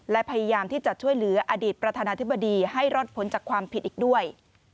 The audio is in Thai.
และพยายามที่จะช่วยเหลืออดีตประธานาธิบดีให้รอดผลจากความผิดอีกด้วย